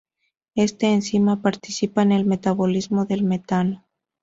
Esta enzima participa en el metabolismo del metano.